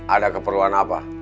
ada keperluan apa